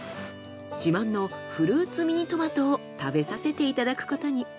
自慢のフルーツミニトマトを食べさせていただくことに。